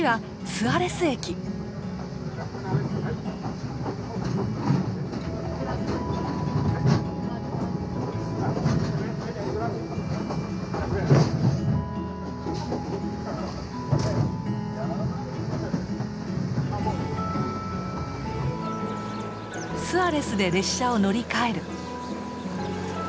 スアレスで列車を乗り換える。